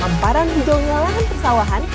amparan di jonglalahan persawahan